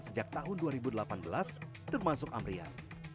dan sejak tahun dua ribu delapan belas termasuk amriah